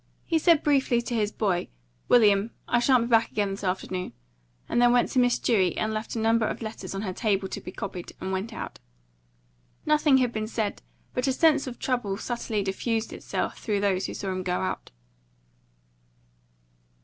He said briefly to his boy, "William, I shan't be back again this afternoon," and then went to Miss Dewey and left a number of letters on her table to be copied, and went out. Nothing had been said, but a sense of trouble subtly diffused itself through those who saw him go out.